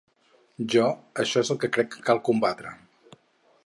Jo això és el que crec que cal combatre.